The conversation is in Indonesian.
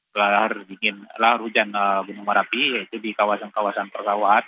kelar hujan gunung merapi yaitu di kawasan kawasan perkawahan